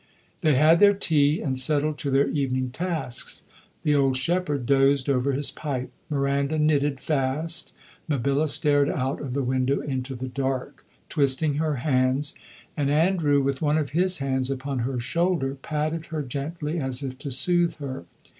They had their tea and settled to their evening tasks. The old shepherd dozed over his pipe, Miranda knitted fast, Mabilla stared out of the window into the dark, twisting her hands, and Andrew, with one of his hands upon her shoulder, patted her gently, as if to soothe her.